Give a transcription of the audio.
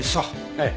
ええ。